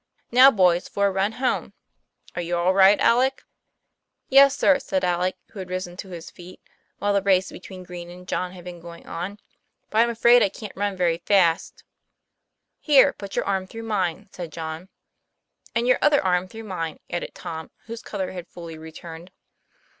Now boys, for a run home. Are you all right, Alec?" 'Yes, sir," said Alec, who had risen to his feet while the race between Green and Tom had been going on, " but I'm afraid I can't run very fast." ' Here, put your arm through mine," said John. "And your other arm through mine," added Tom, whose color had fully returned.